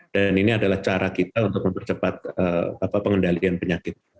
dan ini adalah cara kita untuk mempercepat pengendalian penyakit